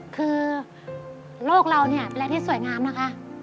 คือโรคเราเป็นแรงที่สวยงามนะคะ